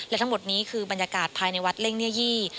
และทั้งหมดนี้คือบรรยากาศภายในวัดเล่งเนียยี่